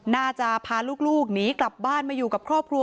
น่าจะพาลูกหนีกลับบ้านมาอยู่กับครอบครัว